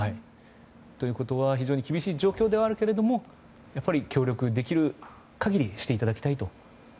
ということは、非常に厳しい状況ではあるけれどもやっぱり協力できる限りしていただきたいと。